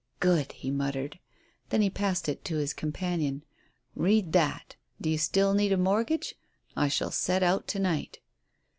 "Good," he muttered. Then he passed it to his companion. "Read that. Do you still need a mortgage? I shall set out to night."